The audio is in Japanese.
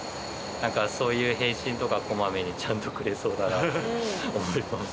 そういう返信とか小まめにちゃんとくれそうだなと思います。